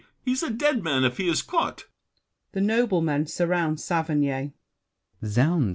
He's a dead man if he is caught. [The noblemen surround Saverny.